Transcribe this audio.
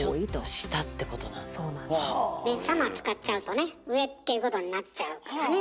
使っちゃうとね上っていうことになっちゃうからね。